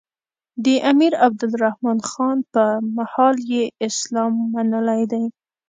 د امیر عبدالرحمان خان پر مهال یې اسلام منلی دی.